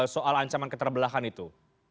soal ancaman keterbelahan itu